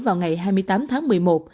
vào ngày hai mươi tám tháng một mươi một